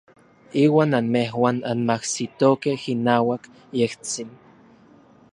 Iuan anmejuan anmajsitokej inauak yejtsin.